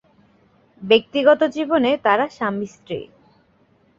ব্যক্তিগত জীবনে তারা স্বামী- স্ত্রী।